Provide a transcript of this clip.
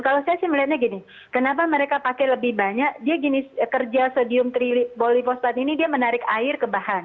kalau saya sih melihatnya gini kenapa mereka pakai lebih banyak dia gini kerja stadium tribullypospad ini dia menarik air ke bahan